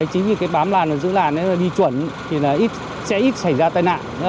chính vì cái bám làn ở giữa làn đi chuẩn thì sẽ ít xảy ra tai nạn